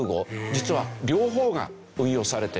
実は両方が運用されている。